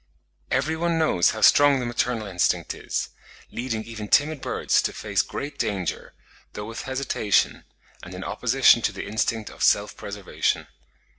Every one knows how strong the maternal instinct is, leading even timid birds to face great danger, though with hesitation, and in opposition to the instinct of self preservation.